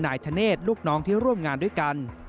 นายธเนธลูกน้องที่ร่วมงานด้วยกัน